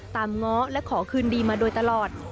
ง้อและขอคืนดีมาโดยตลอด